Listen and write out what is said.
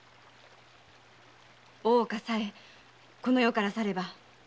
大岡さえこの世から去れば。